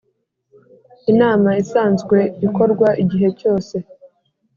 inama isanzwe ikorwa igihe cyose